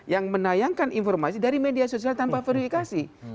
yang menayangkan informasi dari media sosial tanpa verifikasi